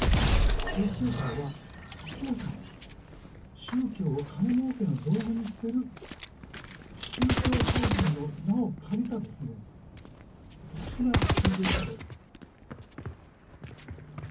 統一教会は、明らかに宗教を金もうけの道具にしてる、宗教法人の名を借りた特殊な宗教団体です。